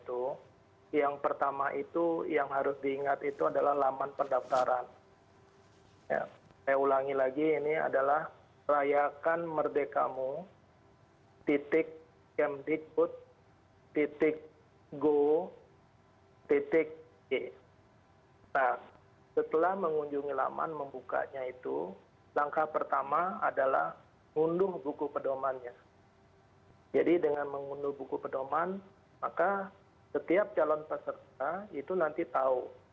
untuk penentuan layak tidaknya dan akhirnya nanti pada tahap penilaian